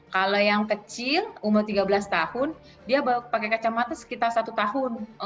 kalau yang kecil umur tiga belas tahun dia pakai kacamata sekitar satu tahun